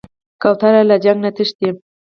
کوتره له جګړې نه تښتي.